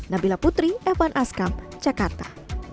nabila putri f satu askam jakarta